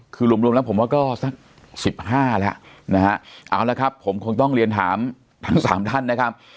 คือรวมแล้วผมว่าก็สัก๑๕แล้วนะฮะเอาละครับผมคงต้องเรียนถามทั้งสามท่านนะครับ